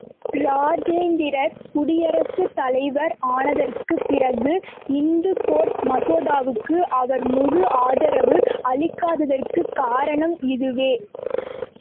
இராஜேந்திரர் குடியரசுத் தலைவர் ஆனதற்குப் பிறகு, இந்துகோட் மசோதாவுக்கு அவர் முழு ஆதரவு அளிக்காததற்குக் காரணம் இதுவே.